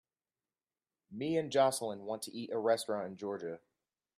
me and jocelyn want to eat a restaurant in Georgia